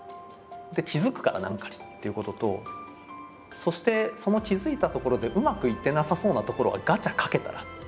で気付くから何かに」っていうことと「そしてその気付いたところでうまくいってなさそうなところはガチャかけたら？